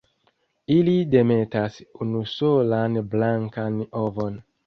Ili demetas unusolan blankan ovon.